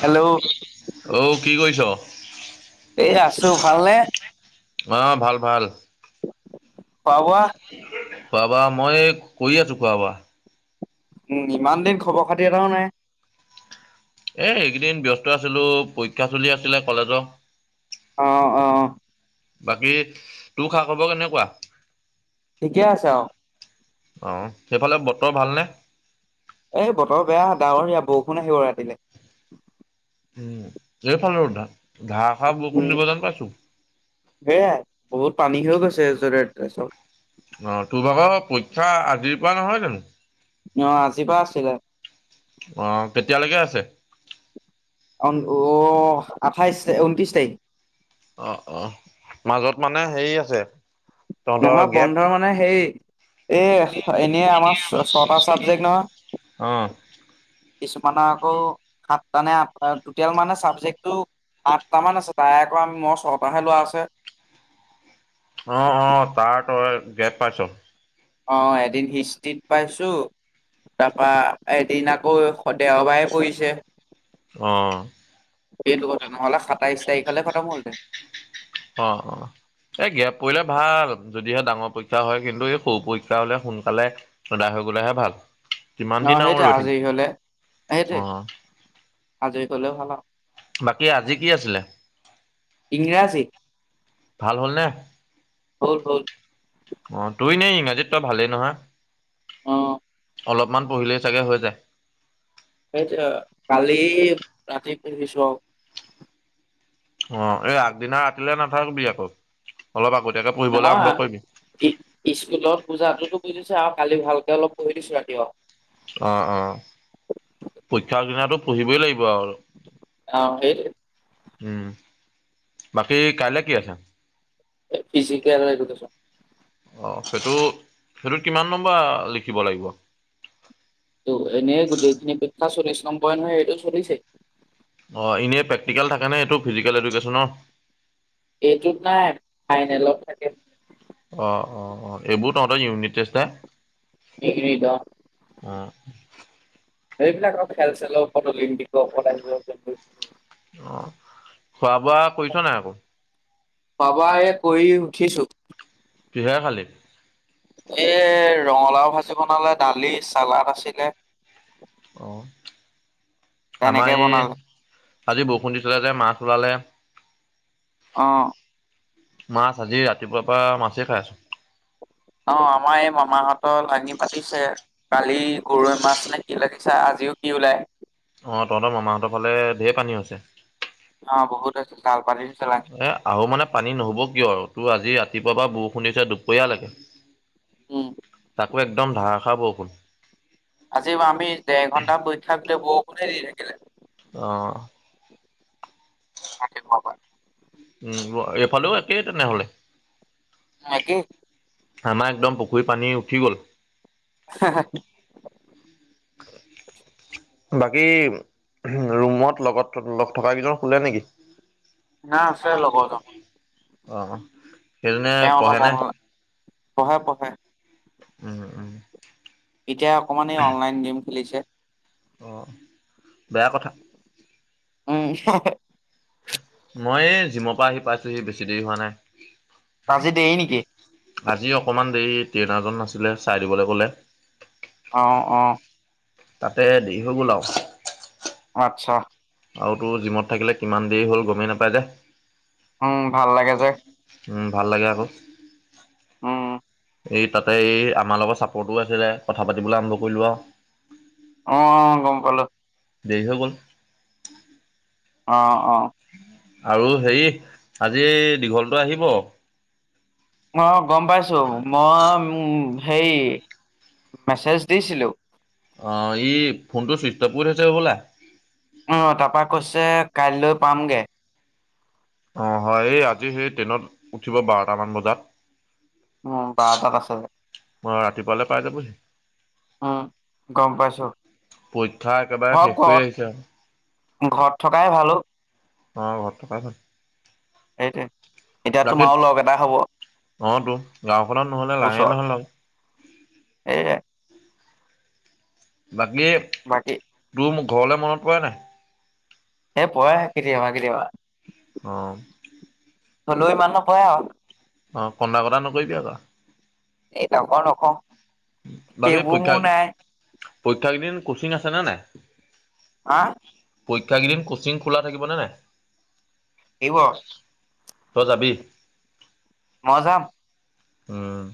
Hello অ', কি কৰিছ'? এই আছোঁ ভাল নে? অ', ভাল ভাল খোৱা বোৱা? খোৱা বোৱা মই কৰি আছোঁ খোৱা বোৱা উম, ইমান দিন খবৰ খাতি এটাও নাই এ এইকেইদিন ব্যস্ত আছিলোঁ পৰীক্ষা চলি আছিলে কলেজৰ অ', অ', বাকী তোৰ খা খবৰ কেনেকুৱা? ঠিকে আছে অ', অ', সেইফালে বতৰ ভালনে? এই বতৰ বেয়া ডাৱৰীয়া বৰষুণ আহিব ৰাতিলে। উম, এইফালেও ধা ধাৰাসাৰ বৰষুণ উম দিব যেন পাইছোঁ। সেয়াই বহুত পানী হৈ গৈছে য'তে ত'তে চব অ', তোৰ ভাগৰ পৰীক্ষা আজিৰ পৰা নহয় জানো? অ', আজি পৰা আছিলে। অ', কেতিয়ালৈকে আছে? অ', আঠাইছ ঊনত্ৰিছ তাৰিখ অ', অ', মাজত মানে হেৰি আছে তহঁতৰ নহয় গেপ। বন্ধ মানে সেই এ এনে আমাৰ ছটা চাবজেক্ট নহয় অ'। কিছুমানৰ আকৌ সাতটা নে আঠটা টটেল মানে চাবজেক্টটো আঠটামান আছে তাৰে আকৌ আম, মই ছটাহে লোৱা আছে। অ', অ', তাৰ তই গেপ পাইছ' অ', এদিন হিষ্ট্ৰিত পাইছো তাৰপা এদিন আকৌ দেওবাৰে পৰিছে অ', সেইটো কথা নহ'লে সাতাইশ তাৰিখলে খতম হ'ল হেতেন অ', অ', এই গেপ পৰিলে ভাল যদিহে ডাঙৰ পৰীক্ষা হয় কিন্তু এই সৰু পৰীক্ষা হ'লে সোনকালে সদায় হৈ গ'লে হে ভাল। কিমান অ', দিন ' আৰু সেইটোৱে ৰৈ থাকিম আজি গ'লে সেইটোৱে অ', আজি গ'লে ভাল আৰু বাকী আজি কি আছিলে। ইংৰাজী। ভাল হ'ল নে। হ'ল হ'ল। অ তই ইনেই ইংৰাজীত তই ভালেই নহয়। অঁ। অলপমান পঢ়িলেই চাগে হৈ যায়। সেইতি কালি ৰাতি পঢ়িছোঁ আও। অ এই আগদিনা ৰাতিলেলৈ নাথাকিবি আকৌ অলপ আগতীয়াকে পঢ়িবলৈ আৰম্ভ কৰিবি। ই ইস্কুলত পূজাতটোতো বুজিছে আৰু কালি ভালকে অলপ পঢ়ি দিছো ৰাতিপা। অ অ পৰীক্ষাৰ আগদিনাতো পঢ়িবই লাগিব আৰু। অঁ সেইটোৱে। হুম বাকী কাইলৈ কি আছ। Physical education. অ সেইটো সেইটো কিমান নম্বৰ লিখিব লাগিব। ত' এনেই গোটেইখিনি পেখ্যা চল্লিছ নম্বয়ে নহয় এইটো চলিছে। অ এনেই প্ৰেক্টিকেল নে থাকে নে এইটো ফিজিকেল এডুকেশ্যনৰ। এইটোত নাই ফাইনেল' ত থাকে। অ অ অ এইবোৰ তহঁতৰ ইউনিটেষ্ট হে। ডিগ্ৰীত অ। অ। এইবিলাক খেল চেলৰ ওপৰত অলিম্পিকৰ ওপৰত আহিব। অ খোৱা বোৱা কৰিছ নাই আকৌ। খোৱা বোৱা এ কৰি উঠিছোঁ। কিহেৰে খালি। এই ৰঙালাও ভাজি বনালে দালি চালাড আছিলে। অ তেনেকে আমাৰ এই। বনালে আজি বৰষুণ দিছিলে যে মাছ ওলালে। অঁ মাছ আজি ৰাতিপুৱাৰ পৰা মাছেই খাই আছোঁ। অ আমাৰ এই মামাহঁতৰ লাঙি পাতিছে। কালি গৰৈ মাছ নে কি লাগিছে আজিও কি ওলাই। অঁ তহঁতৰ মামাহঁতৰ ফালে ঢেৰ পানী হৈছে। অহ বহুত আছিল চাল [unintelligible] চ এ আহো মানে পানী নহ'ব কিয় আৰু তোৰ আজি ৰাতিপুৱা বা বৰষুণ দিছে দুপৰীয়ালৈকে। উম তাকো একদম ধাৰাসাৰ বৰষুণ। আজি আমি দেৰ ঘণ্টামা পৰীক্ষাৰ ভিতৰত বৰষুণে দি থাকিলে। অ। বাকি খোৱা বোৱা। উম এইফালেও একেই তেনেহ'লে। মাকেই। আমাৰ একদম পুখুৰী পানী উঠি গ'ল। হা হ। বাকী ৰুমত লগত থকা কেইজন শুলে নেকি। না আছে লগৰজন নাই অ। সেই জনে তেওঁ পঢ়ে অলপ নে? অনলাইন পঢ়ে পঢ়ে উম, উম। এতিয়া অকমানে অনলাইন গেম খেলিছে। অঁ, বেয়া কথা। উম। মই এই জিমৰ পৰা আহি পাইছোহি বেছি দেৰি হোৱা নাই। আজি দেই নেকি। আজি অকণমান দেৰি, ট্ৰেইনাৰজন নাছিলে চাই দিবলৈ কলে। অঁ, অঁ। তাতে দেৰি হৈ গল আৰু। অঁ আচ্ছা। আৰু তোৰ জিমত থাকিলে কিমান দেৰি হল গমেই নাপাই যে। উম ভাল লাগে যে। উম ভাল লাগে আকৌ। উম, উম। এই তাতে এই আমাৰ লগত ছাপৰ্টো আছিলে কথা পাতিবলৈ আৰম্ভ কৰিলোঁ আৰু। অঁ, অঁ গম পালোঁ। দেৰি হৈ গ'ল। অঁ, অঁ। আৰু হেৰি আজি এই দীঘলটো আহিব। অঁ গম পাইছো, মই হেই মেছেজ দিছিলোঁ। অঁ, ই ফোনটো চুষ্টপ কৰি থইচে হ'বলা। অঁ, তাপা কৈছে কাইলৈ পামগে। অঁ, হয় এই আজি সেই ট্ৰেইনত উঠিব বাৰটামান বজাত। উম বাৰতাত আছে। অ ৰাতিপুৱালে পাই যাবহি উম গম পাইছো। পৰীক্ষা একেবাৰে ঘৰ শেষ কৰি কত? আহিছে আৰু ঘৰত থকাই ভালো অউ। অঁ ঘৰত থকা ভাল। সেইটোৱে। এতিয়া জাগিত, তোমাৰো লগ এটা হ'ব অঁ তো গাঁওখনত নহলে নাই নহয় লগ। সেয়েহে- বাকী- বাকী- তোৰ ঘৰলৈ মনত পৰে নাই। এ পই কেতিয়াবা কেতিয়াবা। অঁ। হলো ইমান নপৰে আৰু। অঁ কন্দা কটা নকৰিবি আকৌ। এই নকৌ নকৌ। বাকী পৰীক্ষা পৰীক্ষাকেইদিন কচিং আছে নে নাই? হা। পৰীক্ষাকেইদিন কচিং খোলা থাকিব নে নাই? থাকিব। তই যাবি। মই যাম। উম।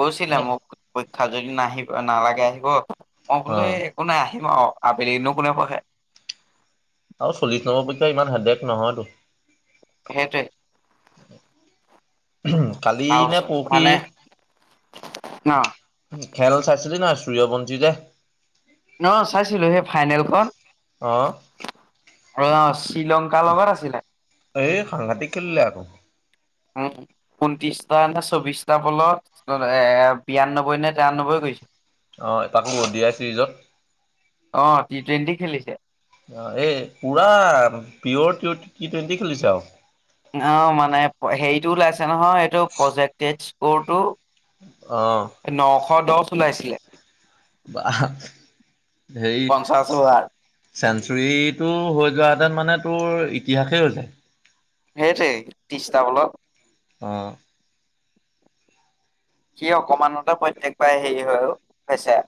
কৈছিলে এ মোক পৰীক্ষা যদি নাহিব নালাগে আহিব। মই অ বোলে এই একো নাই আহিম আৰু আবেলিনো কোনে পঢ়হে। আৰু চল্লিশ নন্বৰ পৰীক্ষা ইমান হেতেক নহয়তো। সেইটোৱে। উ কালি আৰু নে পৰহি মানে ন খেল চাইছিলি না সূৰ্য বঞ্চি যে? অ চাইছিলো সেই ফাইনেলখন। অঁ'। অ শ্ৰীলংকাৰ লগত আছিলে। এই সাংঘাতিক খেলিলে আকৌ। উ ঊনত্ৰিশটা নে চৌবিশটা বলত এ বিৰান্নব্বৈ নে তিৰান্নব্বৈ কৰিছে। অঁ তাকো দিয়াই ছিৰিজত। অ টি টুৱেণ্টি খেলিছে। অ এই পুৰা পিয়ৰ টৰ টি টুৱেণ্টি খেলিছে আৰু। অ মানে হেৰিতটো ওলাইছে নহয় এইটো প্ৰজেক্ট স্কৰটো। অ। নশ দহ ওলাইছিলে। বা ধেৰি পঞ্চাশ অভাৰ চেঞ্চুৰীটো হৈ যোৱাতেত মানে তোৰ ইতিহাসেই হৈ যায়। সেইটোৱে ত্ৰিছটা বলত। অঁ'। সি অকমানতে প্ৰত্যয়েকবাৰেই হেৰি হৈও হৈছে।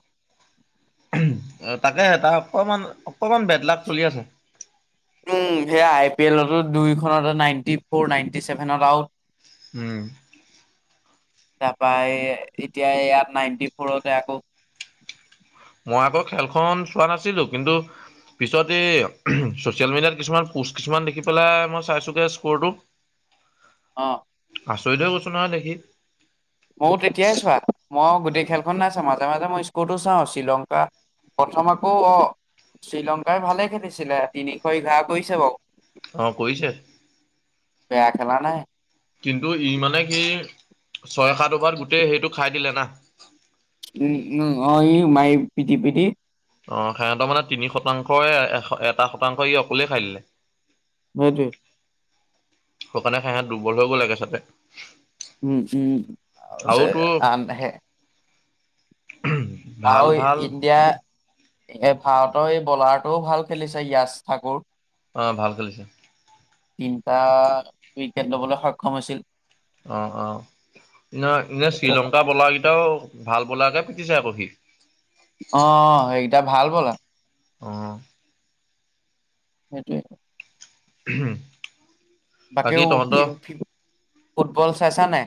উ তাকে তাৰ অকমান অকমান বেড লাগ চলি আছে। উম সেইয়া আই পি এলতো দুইখনত নাইনটি ফ'ৰ নাইনটি চছেভেনত আউট উম। তাৰপৰা এতিয়া ইয়াত নাইনটি ফৰতে আকৌ মই আকৌ খেলখন চোৱা নাছিলো। কিন্তু পিছত এই চচিয়েল মিডিয়াত কিছুমান পোষ্ট কিছুমান দেখি পেলাই মই চাইছোগে স্কৰটো। হয়। অঁ'। আচৰিত হৈ কৈছো নহয় দেখি। ময়ো তেতিয়াই চোৱা। মই গোটেই খেলখন নাই চোৱা। মাজত মাজে মাজে মই স্কুৰটো চাওঁ শ্ৰীলংকা। প্ৰথম আকৌ অ শ্ৰীলংকাৰই ভালে খেদিছিলে তিনিশ এঘাৰ কৰিছে বাৰু। অ কৰিছৈ। বেয়া খেলা নাই। কিন্তু ই মানে কি ছয় সাত ভাৰ গোটেই সেইটো খাই দিলে না। উম উম অ ই মায়ে পিটি পিতি। অ সহঁতৰ মানে তিনি শতাংশই এটা শতাংশ ই অকলে খাই দিলে। সেইটোৱেই। শুকানে খাই খাই দুৰ্বল হৈ গ'ল একে চাতে। উম উম উ তোৰ আনে। ভাল আৰু ভাল ইণ্ডিয়া এ ভাৰতৰ এই বলাৰটোও ভাল খেলিছে য়ছ ঠাকুৰ। অ', ভাল খেলিছে। তিনিটা উইকেট ল'বলৈ সক্ষম হৈছিল। অ', অ', এনে এনে সেইটো কথা শ্ৰীলংকা ব'লাৰকেইটাও ভাল বলাৰকে পিটিছে আকৌ সি। অ', সেইকটা ভাল ব'লা। অ'। সেইটোৱে। হম। বাকীও ফুটবল চাইছা নাই।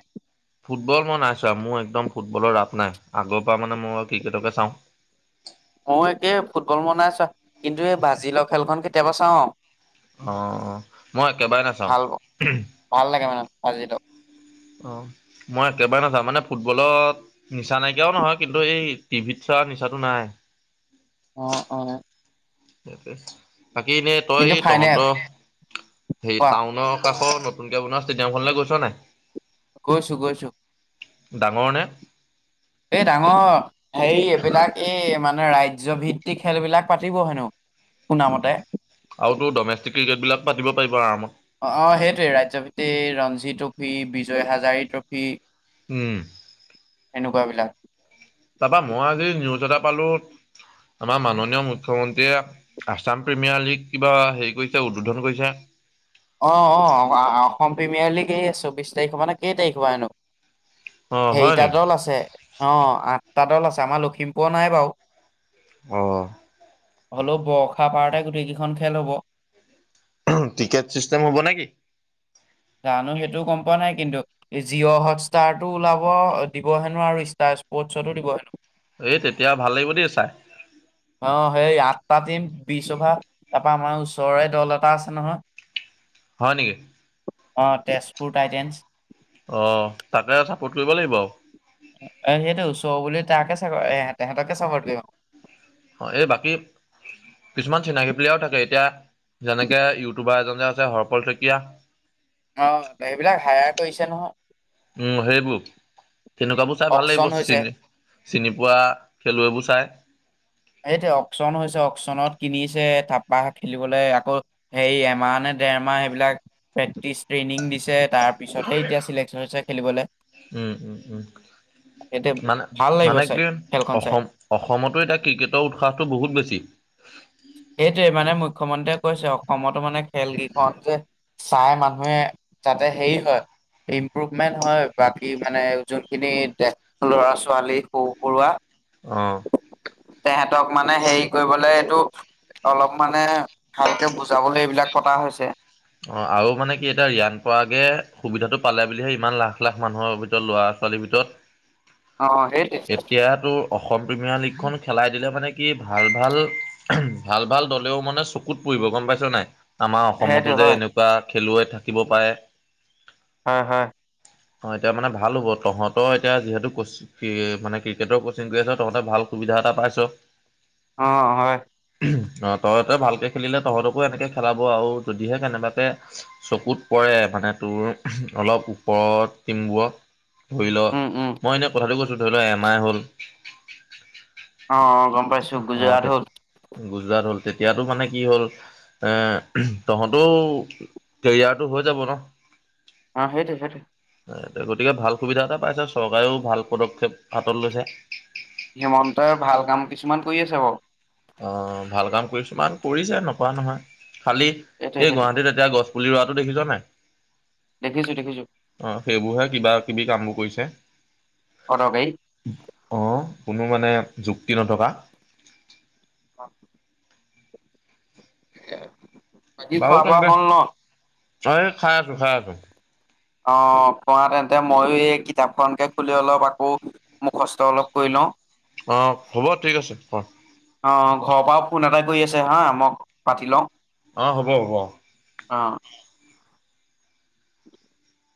ফুটবল মই নাই চোৱা মোৰ একদম ফুটবলৰ ৰাপ নাই আগৰ পৰা মানে মই ক্ৰিকেটকে চাওঁ। মই একেই ফুটবল মনাই চোৱা কিন্তু এই বাজি লোৱা খেলখন কেতিয়াবা চাওঁ অ'। অ', মই একেবাৰে ভাল নাচাওঁ। ভাল লাগে মানে আজিটো অ', মই একেবাৰে নাযাওঁ মানে ফুটবলত নিচা নাইকিয়াও নহয় কিন্তু এই টিভিত চোৱা নিচাটো নাই। অ', অ'। সে বাকী এনেই তই কিন্তু এই ফাইনেল তহঁতৰ হেৰি কোৱা টাউনৰ কাষৰ নতুনকে বনোৱা ষ্টেডিয়ামখনলৈ গৈছ নাই? গৈছোঁ, গৈছোঁ। ডাঙৰ নে? এই ডাঙৰ হেৰি এইবিলাক এই মানে ৰাজ্য ভিত্তিক খেলবিলাক পাতিব হেনো। শুনামতে। আৰু তটো ডমেষ্টিক ক্ৰিকেট বিলাক পাতি পাৰিব আৰামত। অ', অ', সেইটোৱে ৰাজ্য ভিত্তি ৰঞ্জি ট্ৰফি, বিজয় হাজাৰী ট্ৰফি উম। এনেকুৱাবিলাক। তাৰাপা মই আজি নিউজ এটা পালোঁ আমাৰ মাননীয় মুখ্যমন্ত্ৰীয়ে আছাম প্ৰিমিয়াৰ লীগ কিবা হেৰি কৰিছে উদ্বোধন কৰিছে। অ', অ', অসম প্ৰিমিয়াৰ লীগ এই চৌবিছ তাৰিখৰ পৰানে কেই তাৰিখৰ এনো অ হয় হেৰিটা নেকি দল আছে অ', আঠটা দল আছে আমাৰ লখিমপুৰৰ নাই বাৰু অ'। হলেও বৰ্ষাপাৰাতে গোটেই কেইখন খেল হ'ব। টিকেট চিষ্টেম হ'ব নে কি? জানোঁ সেইটো গ'ম পোৱা নাই কিন্তু। জিঅ' হটষ্টাৰটো ওলাব দিব হেনো আৰু ষ্টাৰ স্পৰ্টচতো দিব হেনো। এই তেতিয়া ভাল লাগিব দেই চাই। অ', সেই আঠটা টিম বিশ অভাৰ তাৰ পৰা আমাৰ ওচৰৰে দল এটা আছে নহয়। হয় নেকি। অ', তেজপুৰ টাইটেন্ঞ্চ। অ', তাকে আৰু চাপোৰ্ট কৰিব লাগিব আৰু। অ', সেইটো ওচৰ বুলি তাকে চাগৰ এ তেহেতকে চাপৰ্ট কৰিব। অ', এই বাকী কিছুমান চিনাকি প্লেয়েৰও থাকে এতিয়া যেনেকে ইউটিউবাৰ এজন যে আছে হৰপল শইকীয়া অ', সেইবিলাক হায়াৰ কৰিছে নহয়। উম সেইবোৰ তেনেকুৱাবোৰ চাই ভাল লাগিব অকচন হৈছে চিনি চিনি পোৱা খেলুৱৈবোৰ চায়। এইটোৱে অকচন হৈছে অকচনত কিনিছে তাপা খেলিবলৈ আকৌ। সেই এমাহ নে দেৰমাহ সেইবিলাক প্ৰেক্টিচ ট্ৰেইনিং দিছে। তাৰ পিছতহে এতিয়া চিলেকশন হৈছে খেলিবলে। উম' এতিয়া মানে ভাল লাগিব মানে চাই কি খেলখন চাই অসম- অসমতো এতিয়া ক্ৰিকেটৰ উৎসাহটো বহুত বেছি। সেইটোৱে মানে মুখ্যমন্ত্ৰীয়ে কৈছে অসমতো মানে খেল কেইখন যে- চাই মানুহে তাতে হেৰি হয়- ইম্প্ৰুভমেন্ট হয়, বাকী মানে যোনখিনি এতিয়া- ল'ৰা ছোৱালী সৰু পৰুৱা। অঁ' তেহে‍ঁতক মানে হেৰি কৰিবলে এইটো- অলপ মানে ভালকে বুজাবলৈ এইবিলাক পতা হৈছে। অঁ আৰু মানে কি এতিয়া ৰিয়ান পৰাগে সুবিধাটো পালে বুলিহে ইমান লাখ লাখ মানুহৰ ভিতৰত লোৱা আছে। পোৱালীৰ ভিতত- অঁ, সেইট- এতিয়াতো- অসম প্ৰিমিয়াৰ লীগখন খেলাই দিলে মানে কি ভাল ভাল ভাল ভাল দলেও মানে চপ- ক'ত পৰিব গম পাইছ নাই? আমাৰ সেইটো অসমতো যে হয় এনেকুৱা খেলুৱৈ থাকিব পাৰে- আঁ হাঁ'। অঁ' এতিয়া মানে ভাল হ'ব তহঁতৰ এতিয়া যিহেতু কছ- কি মানে ক্ৰিকেটৰ কচিং কৰি আছ তহঁতে ভাল সুবিধা এটা পাইছ। অঁ' হয়। অঁ তহঁতে ভালকে খেলিলে তহঁতকো এনেকে খেলাব আৰু যদিহে কেনেবাকে- চকুত পৰে মানে তোৰ অলপ ওপৰত তিমবোৰক- ধৰি ল উম উম মই এনেই কথাটো কৈছো ধৰি ল এমাহ হ'ল। অঁ অঁ গম পাইছো, অ গুজৰাট তেতিয়া হ'ল। গুজৰাট হ'ল তেতিয়াতো মানে কি হ'ল এঁ তহঁতও- কেৰিয়াৰটো হৈ যাব ন। অঁ সেইটো সেইটো। গতিকে, ভাল সুবিধা এটা পাইছে চৰকাৰেও ভাল পদক্ষেপ হাতত লৈছে। হিমন্তই ভাল কাম কিছুমান কৰি আছে বাৰু। অঁ' ভাল কাম কিছুমান কৰিছে নকৰা নহয়। খালি সেইটোৱে এই সেইটোৱে গুৱাহাটীত এতিয়া গছ- পুলি ৰোৱাটো দেখিছ নাই। দেখিছো দেখিছো। অঁ' সেইবোৰহে কিবা কিবি কামবোৰ কৰিছে। অদৰকাৰি। অঁ কোনো মানে যুক্তি নথকা। অঁহ' এয়া। বাও তেন্তে, সেই খাই আছো খাই আছো। অঁ' পঢ়া তেন্তে মইয়ো এই কিতাপখনকে খুলি অলপ আকৌ- মুখস্ত অলপ কৰি লওঁ। অঁ হ'ব ঠিক আছে, পৰ। অঁ' ঘৰৰ পৰাও ফোন এটা কৰি আছে হাঁ মই পাতি লওঁ। অ হ'ব হ'ব। অ